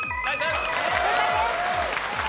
正解です。